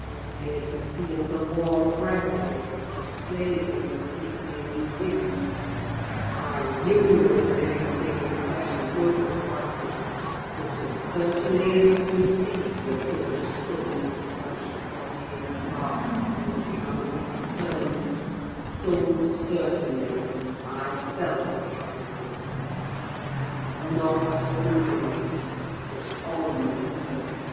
I appeared to feel the warm breath of it displacing the sleet laden wind. I knew no living thing in flesh and blood was by; but, as certainly as you perceive the approach to some substantial body in the dark, though it cannot be discerned, so certainly I felt that Cathy was there: not under me, but on the earth.